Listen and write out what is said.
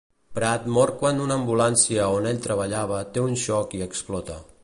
Prat mor quan una ambulància on ell treballava té un xoc i explota.